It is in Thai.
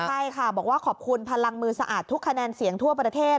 ใช่ค่ะบอกว่าขอบคุณพลังมือสะอาดทุกคะแนนเสียงทั่วประเทศ